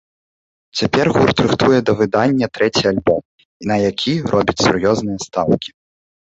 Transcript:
Цяпер гурт рыхтуе да выдання трэці альбом, на які робіць сур'ёзныя стаўкі.